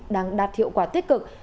đang đạt hiệu quả tích cực